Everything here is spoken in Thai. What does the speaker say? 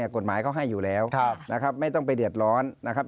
กฎหมายเขาให้อยู่แล้วนะครับไม่ต้องไปเดือดร้อนนะครับ